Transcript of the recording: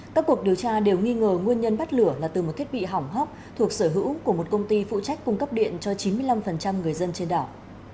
các cuộc điều tra đều nghi ngờ nguyên nhân bắt lửa là từ một thiết bị hỏng hóc thuộc sở hữu của một công ty phụ trách cung cấp điện cho chín mươi năm người dân trên đảo